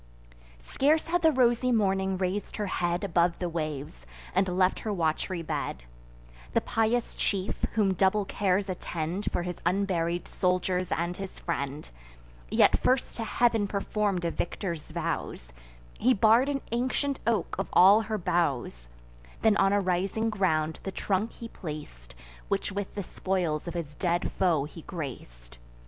Scarce had the rosy Morning rais'd her head Above the waves, and left her wat'ry bed; The pious chief, whom double cares attend For his unburied soldiers and his friend, Yet first to Heav'n perform'd a victor's vows: He bar'd an ancient oak of all her boughs; Then on a rising ground the trunk he plac'd, Which with the spoils of his dead foe he grac'd.